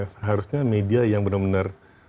seharusnya media yang benar benar